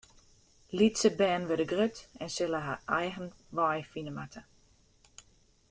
Lytse bern wurde grut en sille har eigen wei fine moatte.